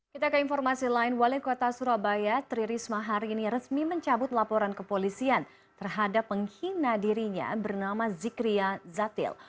kita ke informasi lain wali kota surabaya tri risma hari ini resmi mencabut laporan kepolisian terhadap penghina dirinya bernama zikria zatil